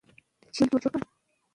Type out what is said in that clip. مدیر مخکې د نظم پاملرنه کړې وه.